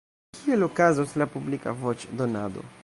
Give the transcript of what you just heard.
Kiel okazos la publika voĉdonado?